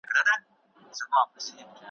هره ورځ به دي تور مار بچي څارله ,